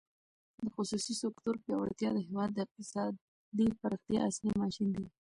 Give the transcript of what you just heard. د خصوصي سکتور پیاوړتیا د هېواد د اقتصادي پراختیا اصلي ماشین دی.